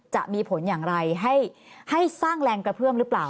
จะมีผลอย่างไรให้สร้างแรงกระเพื่อมหรือเปล่า